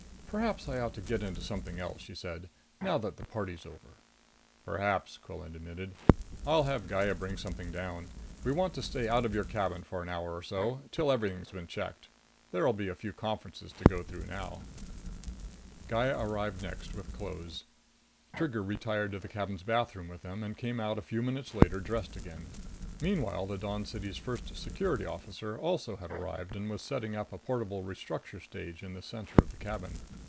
"Perhaps I ought to get into something else," she said. "Now that the party's over." "Perhaps," Quillan admitted. "I'll have Gaya bring something down. We want to stay out of your cabin for an hour or so till everything's been checked. There'll be a few conferences to go through now." Gaya arrived next, with clothes. Trigger retired to the cabin's bathroom with them and came out a few minutes later, dressed again. Meanwhile the Dawn City's First Security Officer also had arrived and was setting up a portable restructure stage in the center of the cabin.